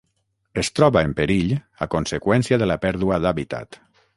Es troba en perill a conseqüència de la pèrdua d'hàbitat.